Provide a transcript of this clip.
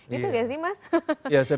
gitu gak sih mas